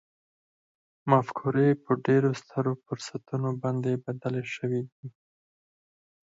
مفکورې په ډېرو سترو فرصتونو باندې بدلې شوې دي